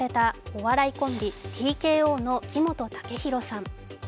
お笑いコンビ、ＴＫＯの木本武宏さん。